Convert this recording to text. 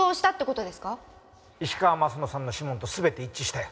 石川鱒乃さんの指紋と全て一致したよ。